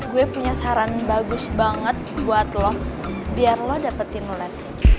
gue punya saran bagus banget buat lo biar lo dapetin led